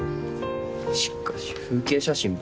しかし風景写真ばっか。